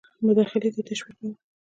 مداخلې ته یې تشویقاوه.